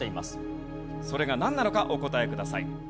それがなんなのかお答えください。